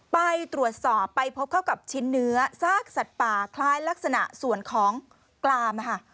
ไปตรวจสอบไปพบเข้ากับชิ้นเนื้อซากสัตว์ป่าคล้ายลักษณะส่วนของกลาม